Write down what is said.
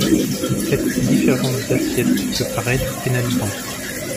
Cette différence d’assiette peut paraître pénalisante.